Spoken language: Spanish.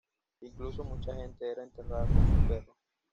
Incluso mucha gente era enterrada con su perro.